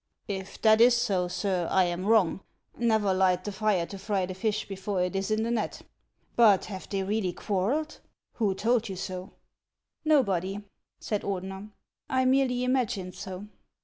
" If that is so, sir, I am wrong. Xever light the fire to fry the fish before it is in the net. But have they really quarrelled ? Who told you so ?"" Xobody," said Ordener. " I merely imagined so."